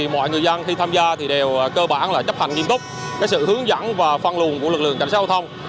mọi người dân khi tham gia đều chấp hành nghiêm túc sự hướng dẫn và phân luận của lực lượng cảnh sát giao thông